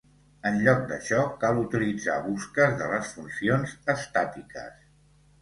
En lloc d'això, cal utilitzar busques de les funcions estàtiques.